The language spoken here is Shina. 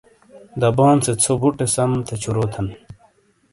دبون سے ژھو بُوٹے سم تھےچھُوروتھن!